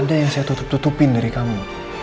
ada yang saya tutup tutupin dari kamu